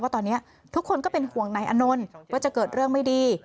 ตอนนี้ทุกคนก็เป็นห่วงนายอานนท์ว่าจะเกิดเรื่องไม่ดี